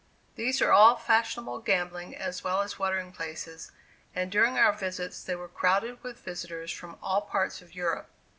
These are all fashionable gambling as well as watering places, and during our visits they were crowded with visitors from all parts of Europe.